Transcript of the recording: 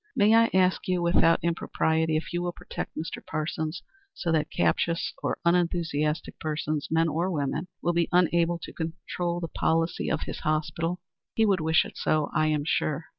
May I ask you without impropriety if you will protect Mr. Parsons so that captious or unenthusiastic persons, men or women, will be unable to control the policy of his hospital? He would wish it so, I am sure.